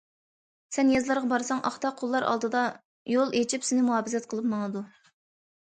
سەن يېزىلارغا بارساڭ، ئاختا قۇللار ئالدىدا يول ئېچىپ سېنى مۇھاپىزەت قىلىپ ماڭىدۇ.